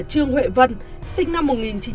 trương huệ vân sinh năm một nghìn chín trăm tám mươi